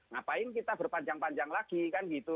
ngapain kita berpanjang panjang lagi kan gitu